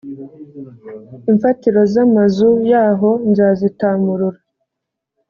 imfatiro z’amazu yaho nzazitamurura